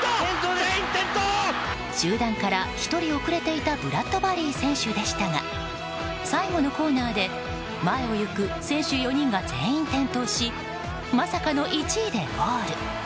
集団から１人遅れていたブラッドバリー選手でしたが最後のコーナーで前を行く選手４人が全員転倒しまさかの１位でゴール。